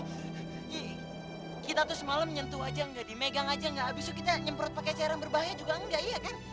kita tuh semalam nyentuh aja gak di megang aja gak abis itu kita nyemprot pake cairan berbahaya juga gak iya kan